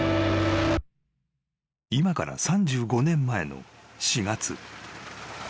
［今から３５年前の４月］